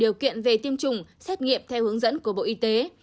điều kiện về tiêm chủng xét nghiệm theo hướng dẫn của bộ y tế